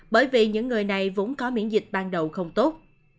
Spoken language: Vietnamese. bởi vì những người này vốn có miễn dịch ban đầu không tốt